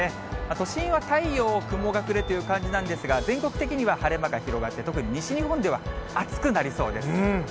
都心は太陽雲隠れという感じなんですが、全国的には晴れ間が広がって、特に西日本では暑くなりそうです。